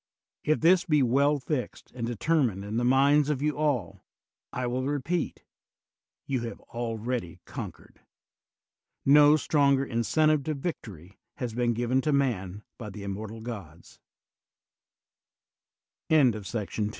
If this be well fixed and determined in the minds of you all, I will repeat, you have already con quered; no stronger incentive to victory has been given to man by fhe inunort